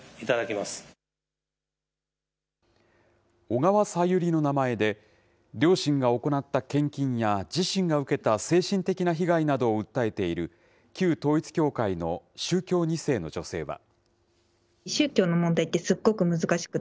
小川さゆりの名前で、両親が行った献金や自身が受けた精神的な被害などを訴えている、旧統一教会の宗教２世の女性は。